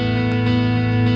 oke sampai jumpa